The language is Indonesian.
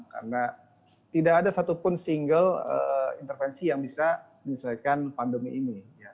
karena tidak ada satupun single intervensi yang bisa menyelesaikan pandemi ini